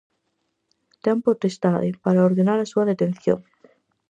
Ten potestade para ordenar a súa detención.